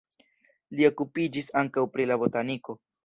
Li okupiĝis ankaŭ pri la botaniko.